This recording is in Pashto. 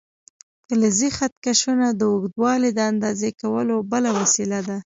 فلزي خط کشونه د اوږدوالي د اندازه کولو بله وسیله ده.